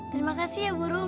terima kasih ya burung